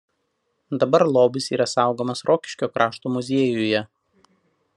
Dabar lobis yra saugomas Rokiškio krašto muziejuje.